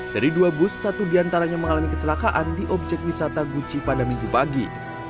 dari dua bus satu diantaranya mengalami kecelakaan di objek wisata guci pada minggu pagi